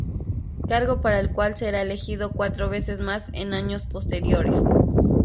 Cargo para el cual será elegido cuatro veces más en años posteriores.